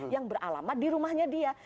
yang beralamat di rumahnya dia